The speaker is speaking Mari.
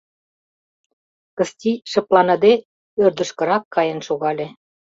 Кысти шыпланыде ӧрдыжкырак каен шогале.